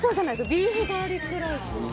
ビーフガーリックライス。